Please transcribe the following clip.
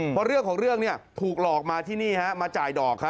เพราะเรื่องของเรื่องถูกหลอกมาที่นี่มาจ่ายดอก